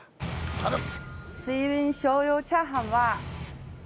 頼む！